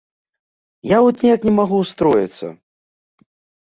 Я от ніяк не магу ўстроіцца.